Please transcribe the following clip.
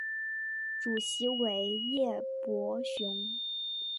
主席为叶柏雄。